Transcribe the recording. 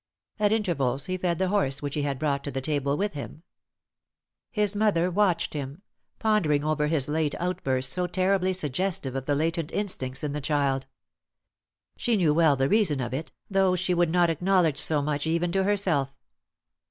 At intervals he fed the horse which he had brought to the table with him. His mother watched him, pondering over his late outburst so terribly suggestive of the latent instincts in the child. She knew well the reason of it, though she would not acknowledge so much even to herself.